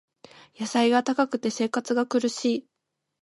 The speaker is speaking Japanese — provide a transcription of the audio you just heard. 野菜が高くて生活が苦しい